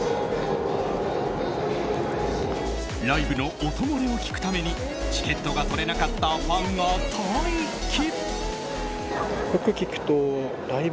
ライブの音漏れを聴くためにチケットが取れなかったファンが待機。